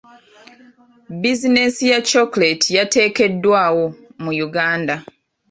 Buzinensi ya chocolate yateekeddwawo mu Uganda.